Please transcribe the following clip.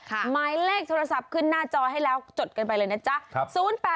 หมายเลขโทรศัพท์ขึ้นหน้าจอให้แล้วจดกันไปเลยนะจ๊ะ๐๘๙๔๓๖๖๔๕๙จ้า